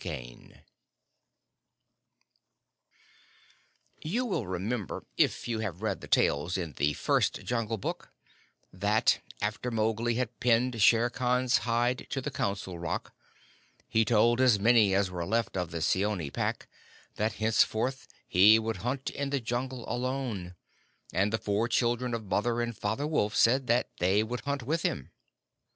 LETTING IN THE JUNGLE You will remember, if you have read the tales in the first Jungle Book, that, after Mowgli had pinned Shere Khan's hide to the Council Rock, he told as many as were left of the Seeonee Pack that henceforward he would hunt in the Jungle alone; and the four children of Mother and Father Wolf said that they would hunt with him.